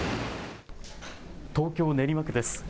東京・練馬区です。